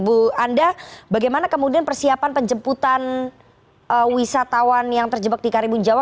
bu anda bagaimana kemudian persiapan penjemputan wisatawan yang terjebak di karimun jawa